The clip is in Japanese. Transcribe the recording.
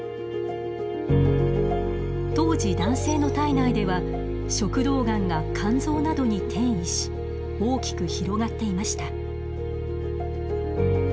当時男性の体内では食道がんが肝臓などに転移し大きく広がっていました。